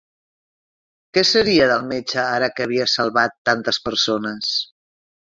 Què seria del metge ara que havia salvat tantes persones?